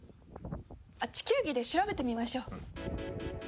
あっ地球儀で調べてみましょう。